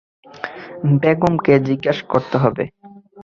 বেগম কে জিজ্ঞাস করতে হবে।